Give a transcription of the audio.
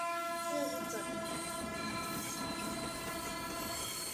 Mkulima anaelekezwa kupanda viazi lishe kwa kutumia Marando yenye urefu wa sentimita thelathini